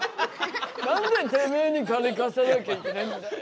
何でてめえに金貸さなきゃいけないんだよ！